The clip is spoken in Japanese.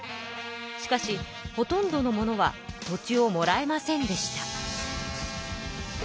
しかしほとんどの者は土地をもらえませんでした。